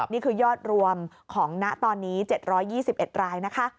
นี่คือยอดรวมของณตอนนี้๗๒๑รายนะคะ